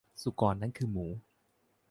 สุกรนั้นคือหมู